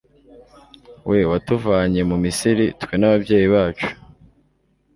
we watuvanye mu misiri twe n'ababyeyi bacu